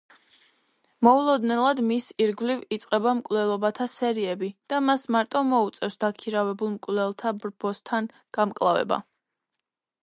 მოულოდნელად მის ირგვლივ იწყება მკვლელობათა სერიები და მას მარტო მოუწევს დაქირავებულ მკვლელთა ბრბოსთან გამკლავება.